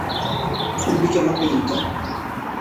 He became a painter.